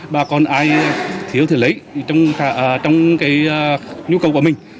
bà con ai thiếu thể lấy trong nhu cầu của mình